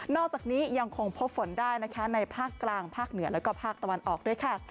อกจากนี้ยังคงพบฝนได้นะคะในภาคกลางภาคเหนือแล้วก็ภาคตะวันออกด้วยค่ะ